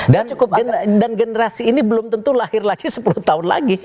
dan generasi ini belum tentu lahir lagi sepuluh tahun lagi